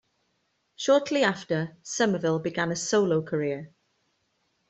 Shortly after, Somerville began a solo career.